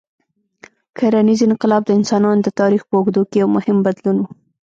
کرنيز انقلاب د انسانانو د تاریخ په اوږدو کې یو مهم بدلون و.